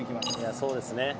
そうですね。